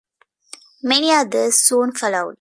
Many others soon followed.